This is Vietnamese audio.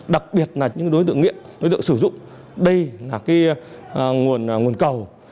đặc biệt là những đối tượng nghiện đối tượng sử dụng đây là nguồn cầu